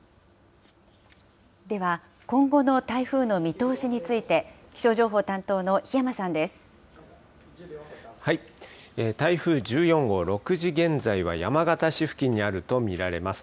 では、今後の台風の見通しについて、気象情報担当の檜山さん台風１４号、６時現在は山形市付近にあると見られます。